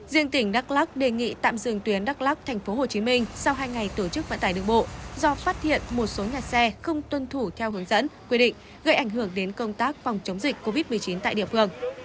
riêng tỉnh đắk lắc đề nghị tạm dừng tuyến đắk lắc tp hcm sau hai ngày tổ chức vận tải đường bộ do phát hiện một số nhà xe không tuân thủ theo hướng dẫn quy định gây ảnh hưởng đến công tác phòng chống dịch covid một mươi chín tại địa phương